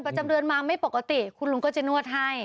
ประจำเรือนมาไม่ปกติคุณลุงก็จะนวดให้